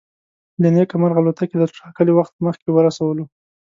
له نیکه مرغه الوتکې تر ټاکلي وخت مخکې ورسولو.